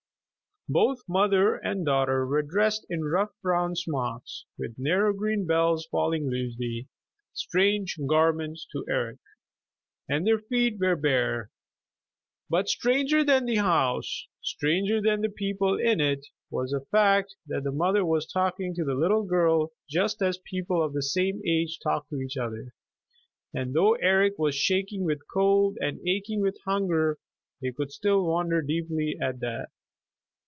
Both mother and daughter were dressed in rough brown smocks, with narrow green belts falling loosely, strange garments to Eric. And their feet were bare. But stranger than the house, stranger than the people in it, was the fact that the mother was talking to the little girl just as people of the same age talk to each other; and though Eric was shaking with cold and aching with hunger, he could still wonder deeply at that.